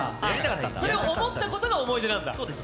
それを思ったことが思い出なんだ。